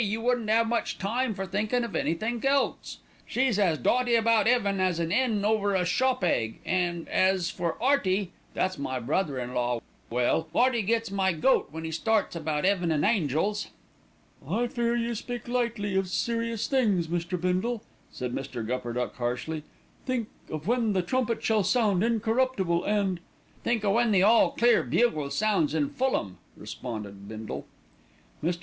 you wouldn't 'ave much time for thinkin' of anythink else. She's as dotty about 'eaven as an 'en over a 'shop egg,' an' as for 'Earty, that's my brother in law, well, 'Earty gets my goat when 'e starts about 'eaven an' angels." "I fear you speak lightly of serious things, Mr. Bindle," said Mr. Gupperduck harshly. "Think of when the trumpet shall sound incorruptible and !" "Think o' when the all clear bugle sounds in Fulham," responded Bindle. Mr.